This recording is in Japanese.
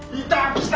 来た！